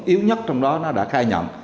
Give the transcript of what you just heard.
yếu nhất trong đó nó đã khai nhận